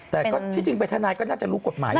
แต่ก็ที่จริงเป็นทนายก็น่าจะรู้กฎหมาย